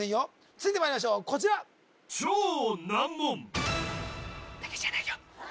続いてまいりましょうこちらたけしじゃないよ